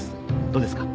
どうですか？